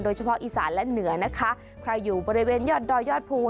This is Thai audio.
เฉพาะอีสานและเหนือนะคะใครอยู่บริเวณยอดดอยยอดภู